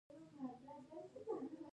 باور څنګه ټیم جوړوي؟